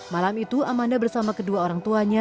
malam itu amanah bersama kedua orang tuanya